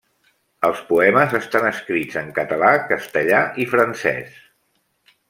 Els poemes estan escrits en català, castellà i francès.